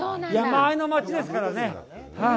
山あいの町ですからね。